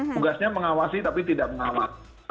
tugasnya mengawasi tapi tidak mengawal